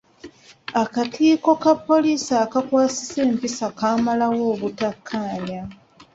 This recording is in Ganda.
Akakiiko ka poliisi akakwasisa empisa kaamalawo obutakkaanya.